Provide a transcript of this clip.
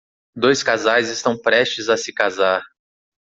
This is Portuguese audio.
Dois casais estão prestes a se casar